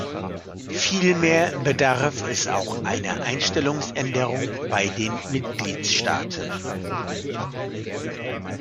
Vielmehr bedarf es auch einer Einstellungsänderung bei den Mitgliedstaaten.